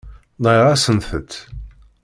Nɣiɣ-asent-tt.